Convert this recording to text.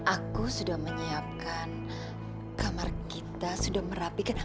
aku sudah menyiapkan kamar kita sudah merapikan